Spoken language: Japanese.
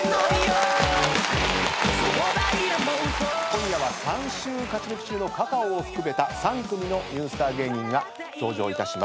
今夜は３週勝ち抜き中のｃａｃａｏを含めた３組のニュースター芸人が登場いたします。